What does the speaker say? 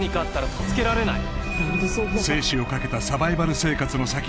助けられないよ